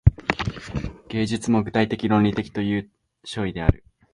芸術も具体的論理的という所以である。